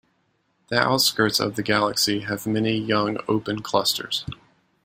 The outskirts of the galaxy have many young open clusters.